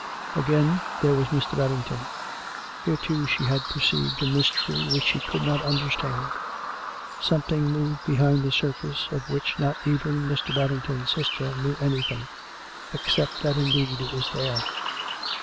Again, there was j\Ir. Babing ton; here, too, she had perceived a mystery which she could not understand: something moved behind the surface of which not even Mr. Babington's sister knew anything, except that, indeed, it was there.